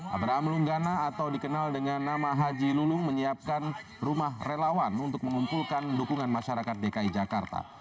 abraham lunggana atau dikenal dengan nama haji lulung menyiapkan rumah relawan untuk mengumpulkan dukungan masyarakat dki jakarta